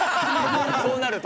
そうなると。